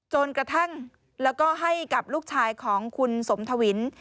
จนกระทั่งแล้วก็ให้กับลูกชายของคุณสมทวิน